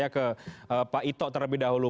saya ke pak ito terlebih dahulu